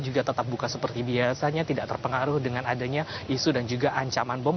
juga tetap buka seperti biasanya tidak terpengaruh dengan adanya isu dan juga ancaman bom